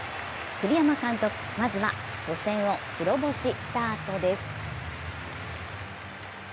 栗山監督、まずは初戦を白星スタートです。